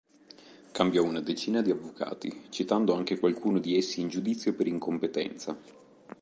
Cambiò una decina di avvocati citando anche qualcuno di essi in giudizio per incompetenza.